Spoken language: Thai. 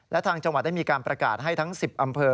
และทางจังหวัดได้มีการประกาศให้ทั้ง๑๐อำเภอ